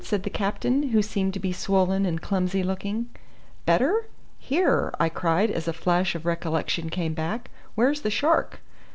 said the captain, who seemed to be swollen and clumsy looking. "Better? Here!" I cried as a flash of recollection came back, "where's the shark?"